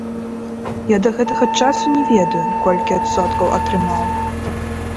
Я да гэтага часу не ведаю, колькі адсоткаў атрымаў.